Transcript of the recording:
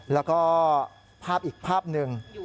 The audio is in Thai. แล้วก็ภาพอีกภาพหนึ่ง